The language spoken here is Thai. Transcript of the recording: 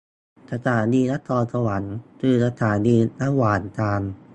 สถานีนครสวรรค์คือสถานีระหว่างทาง